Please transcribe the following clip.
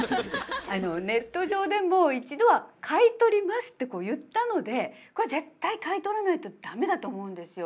ネット上でも一度は買い取りますって言ったのでこれは絶対買い取らないと駄目だと思うんですよ。